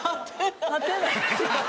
立てない。